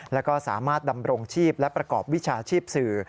แล้วก็สามารถดำรงชีพและประกอบวิชาชีพสื่อ